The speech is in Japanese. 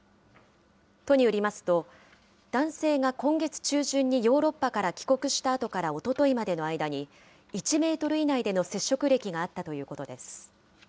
都によりますと、男性が今月中旬にヨーロッパから帰国したあとからおとといまでの間に、１メートル以内での接触歴があったということです。